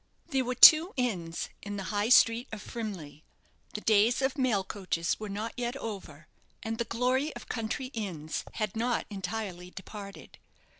There were two inns in the High Street of Frimley. The days of mail coaches were not yet over, and the glory of country inns had not entirely departed.